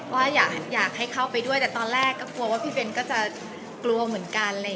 ว่าอยากให้เข้าไปด้วยแต่ตอนแรกก็กลัวว่าพี่เบนก็จะกลัวเหมือนกัน